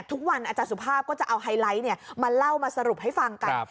อาจารย์สุภาพก็จะเอาไฮไลท์มาเล่ามาสรุปให้ฟังกัน